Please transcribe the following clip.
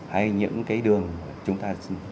hay những cái đường chúng ta